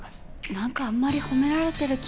何かあんまり褒められてる気が。